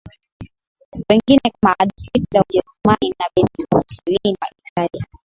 Wengine kama Adolf Hitler wa Ujerumjani na Benito Mussolini wa Italia